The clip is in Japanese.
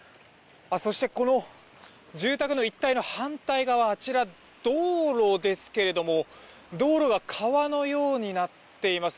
そして、住宅の一帯の反対側道路ですけれども道路が川のようになっています。